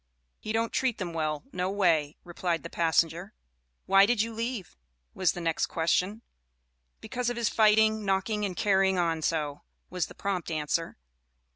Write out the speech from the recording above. "He don't treat them well no way," replied the passenger. "Why did you leave?" was the next question. "Because of his fighting, knocking and carrying on so," was the prompt answer.